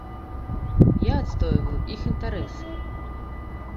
Я адстойваю іх інтарэсы.